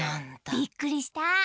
びっくりした。